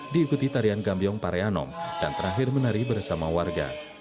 diikuti tarian gambiong pareanom dan terakhir menari bersama warga